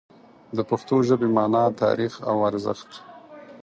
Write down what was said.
د پښتو ژبې مانا، تاریخ او ارزښت